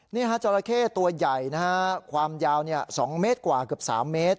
นี่ฮะจราเข้ตัวใหญ่นะฮะความยาว๒เมตรกว่าเกือบ๓เมตร